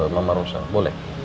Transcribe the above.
mama rosa boleh